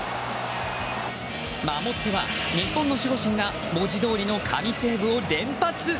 守っては、日本の守護神が文字どおりの神セーブを連発！